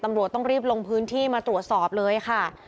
ตำรวจต้องรีบลงพื้นที่มาตรวจสอบเลยค่ะ